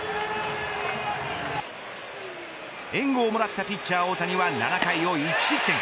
援護をもらったピッチャー大谷は７回１失点。